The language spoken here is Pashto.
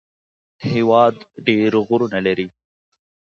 هېواد ډېر غرونه لري